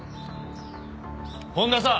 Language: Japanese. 本田さん！